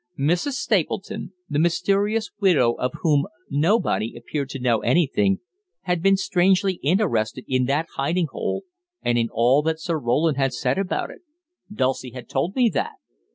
Mrs. Stapleton, the "mysterious widow" of whom nobody appeared to know anything, had been strangely interested in that hiding hole and in all that Sir Roland had said about it Dulcie had told me that.